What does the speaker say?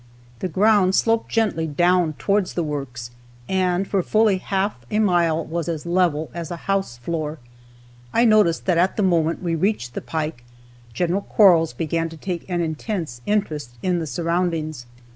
The ground sloped gently down towards the works, and for fully half a mile was as level as a house floor. I noticed that at the moment we reached the pike Gen. Quarles began to take an intense interest in the surroundings.